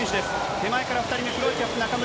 手前から２人目、黒いキャップ、中村。